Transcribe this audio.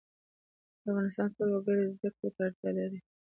د افغانستان ټول وګړي زده کړو ته اړتیا لري